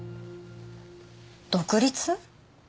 独立？